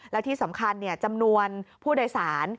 แล้วที่สำคัญจำนวนผู้โดยสาร